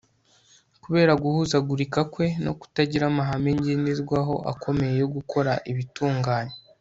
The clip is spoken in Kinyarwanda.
Kubera guhuzagurika kwe no kutagira amahame ngenderwaho akomeye yo gukora ibitunganye